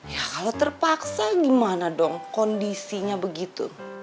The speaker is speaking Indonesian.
ya kalau terpaksa gimana dong kondisinya begitu